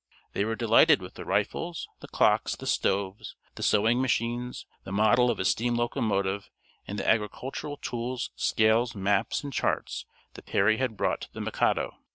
They were delighted with the rifles, the clocks, the stoves, the sewing machines, the model of a steam locomotive, and the agricultural tools, scales, maps, and charts that Perry had brought to the Mikado.